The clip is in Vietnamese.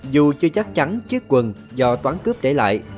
dù chưa chắc chắn chiếc quần do toán cướp để lại